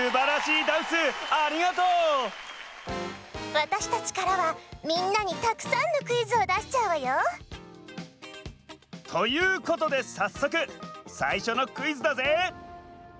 わたしたちからはみんなにたくさんのクイズをだしちゃうわよ。ということでさっそくさいしょのクイズだぜ！